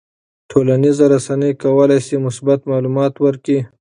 ټولنیزې رسنۍ کولی شي مثبت معلومات ورکړي.